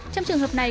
trong trường hợp này